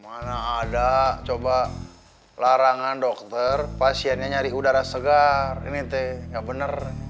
mana ada coba larangan dokter pasiennya nyari udara segar ini teh nggak bener